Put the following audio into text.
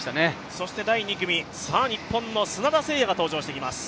そして第２組、日本の砂田晟弥が登場してきます。